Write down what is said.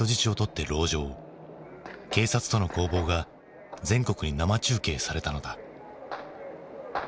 警察との攻防が全国に生中継されたのだ。